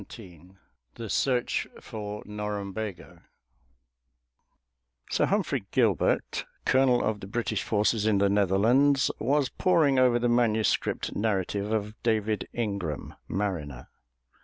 XVII THE SEARCH FOR NORUMBEGA Sir Humphrey Gilbert, colonel of the British forces in the Netherlands, was poring over the manuscript narrative of David Ingram, mariner.